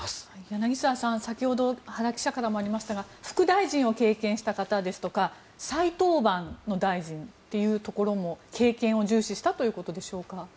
柳澤さん、先ほど原記者からもありましたが副大臣を経験し方ですとか再登板の大臣というところも経験を重視したということでしょうか。